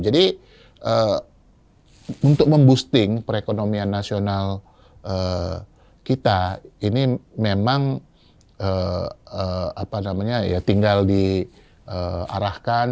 jadi untuk memboosting perekonomian nasional kita ini memang apa namanya ya tinggal diarahkan